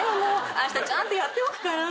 あしたちゃんとやっておくから。